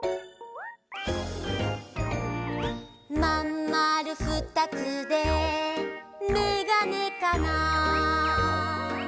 「まんまるふたつでメガネかな」